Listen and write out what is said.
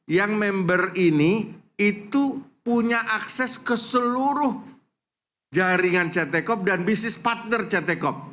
yang member ini itu punya akses ke seluruh jaringan ctkop dan bisnis partner ctkop